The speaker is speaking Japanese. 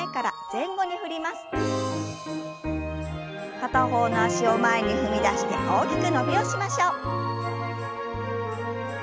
片方の脚を前に踏み出して大きく伸びをしましょう。